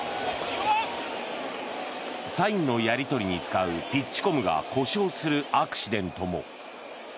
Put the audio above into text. サインのやり取りに使うピッチコムが故障するアクシデントも。